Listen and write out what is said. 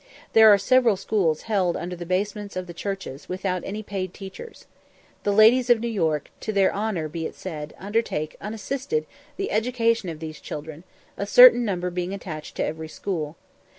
There are several schools held under the basements of the churches, without any paid teachers. The ladies of New York, to their honour be it said, undertake, unassisted, the education of these children, a certain number being attached to every school.